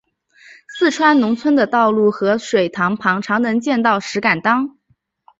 四川农村的道路和水塘旁常能见到石敢当。